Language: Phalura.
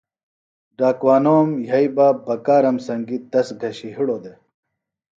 ڈاکوانوم یھئی بکرام سنگیۡ تس گھشیۡ ہڑوۡ دےۡ